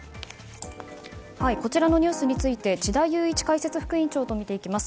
こちらのニュースについて智田裕一解説副委員長と見ていきます。